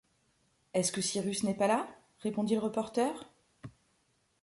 Est-ce que Cyrus n’est pas là ? répondit le reporter